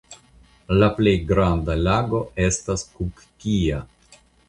La plej granda lago estas Kukkia.